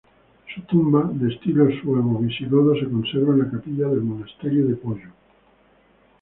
Su tumba, de estilo suevo-visigodo, se conserva en la capilla del monasterio de Poyo.